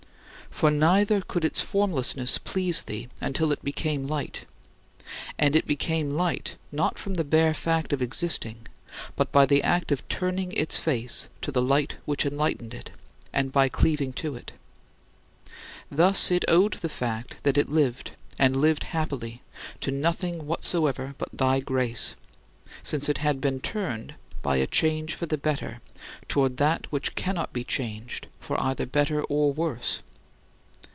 For neither could its formlessness please thee until it became light and it became light, not from the bare fact of existing, but by the act of turning its face to the light which enlightened it, and by cleaving to it. Thus it owed the fact that it lived, and lived happily, to nothing whatsoever but thy grace, since it had been turned, by a change for the better, toward that which cannot be changed for either better or worse.